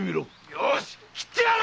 よしっ斬ってやる！